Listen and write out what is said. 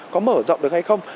có mở rộng được hay không